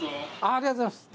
ありがとうございます。